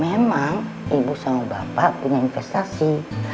memang ibu sama bapak punya investasi